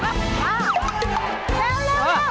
เร็ว